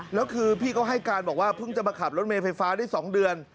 แล้วคือพี่เขาให้การบอกว่าเพิ่งจะมาขับรถเมย์ไฟฟ้าได้๒เดือน